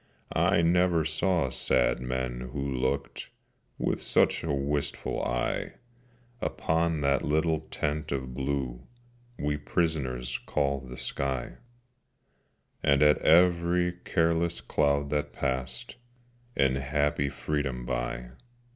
I never saw sad men who looked With such a wistful eye Upon that little tent of blue We prisoners called the sky, And at every careless cloud that passed In happy freedom by.